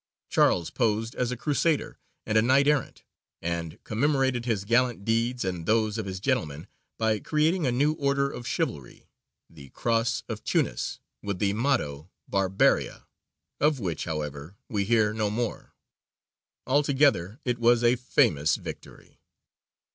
Charles posed as a crusader and a knight errant, and commemorated his gallant deeds and those of his gentlemen by creating a new order of chivalry, the Cross of Tunis, with the motto "Barbaria," of which however we hear no more. Altogether "it was a famous victory."